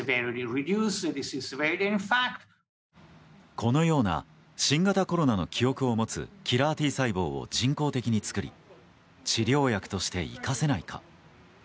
このような新型コロナの記憶を持つキラーＴ細胞を人工的に作り治療薬として生かせないか。